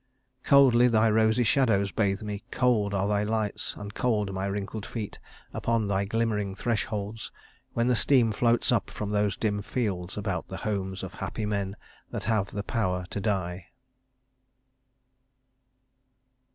"Coldly thy rosy shadows bathe me, cold Are all thy lights, and cold my wrinkled feet Upon thy glimmering thresholds, when the steam Floats up from those dim fields about the homes Of happy men that have the power to die."